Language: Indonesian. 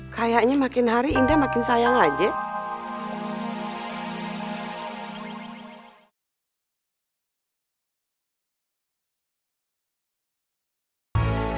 kayaknya makin hari indah makin sayang aja